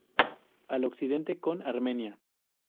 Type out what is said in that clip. Al occidente con Armenia.